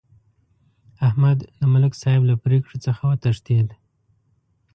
احمد د ملک صاحب له پرېکړې څخه وتښتېدا.